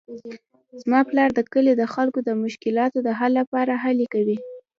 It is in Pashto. زما پلار د کلي د خلکو د مشکلاتو د حل لپاره هلې کوي